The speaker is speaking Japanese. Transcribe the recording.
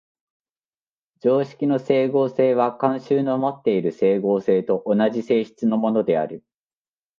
常識の斉合性は慣習のもっている斉合性と同じ性質のものである。